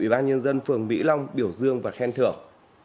ủy ban nhân dân phường mỹ long biểu dương và khen thưởng